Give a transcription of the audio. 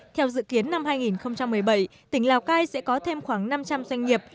theo dự kiến năm hai nghìn một mươi bảy tỉnh lào cai sẽ có thêm khoảng năm trăm linh doanh nghiệp